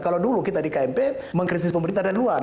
kalau dulu kita di kmp mengkritis pemerintah dari luar